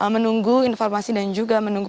menunggu informasi dan juga menunggu